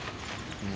うん？